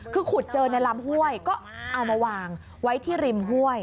คือขุดเจอในลำห้วยก็เอามาวางไว้ที่ริมห้วย